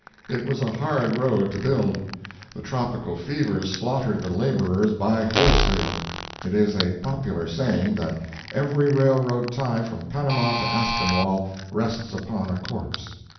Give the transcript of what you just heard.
It was a hard road to build. The tropical fevers slaughtered the laborers by wholesale. It is a popular saying, that every railroad tie from Panama to Aspinwall rests upon a corpse.